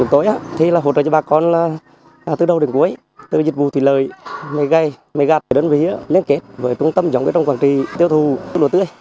tối nay tôi là phụ trợ cho bà con từ đầu đến cuối từ dịch vụ thủy lời mề gai mề gạt đến với liên kết với tương tâm giống trong quảng trị tiêu thụ lúa tươi